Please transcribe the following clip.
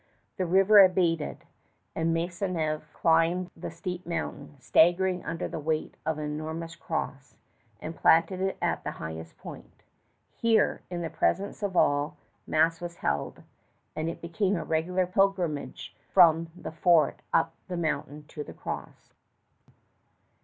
The river abated, and Maisonneuve climbed the steep mountain, staggering under the weight of an enormous cross, and planted it at the highest point. Here, in the presence of all, mass was held, and it became a regular pilgrimage from the fort up the mountain to the cross.